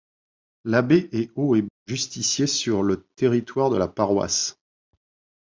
L'abbé est haut et bas justicier sur le territoire de la paroisse.